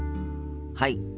はい。